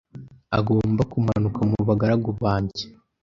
Agomba kumanuka mu bagaragu banjye